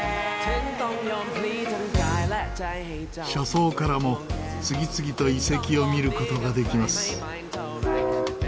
車窓からも次々と遺跡を見る事ができます。